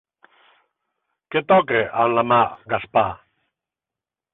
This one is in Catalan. Què toca amb la mà Gaspar?